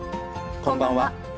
こんばんは。